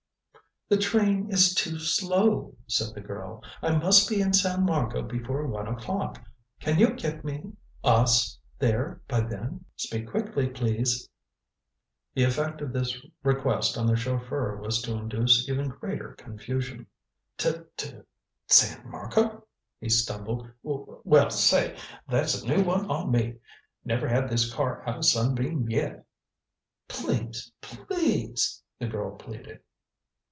"The train is too slow," said the girl. "I must be in San Marco before one o'clock. Can you get me us there by then? Speak quickly, please." The effect of this request on the chauffeur was to induce even greater confusion. "T to to San Marco," he stumbled. "W well, say, that's a new one on me. Never had this car out o' Sunbeam yet." "Please please!" the girl pleaded.